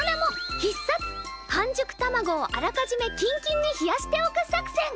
半熟卵をあらかじめキンキンに冷やしておく作戦！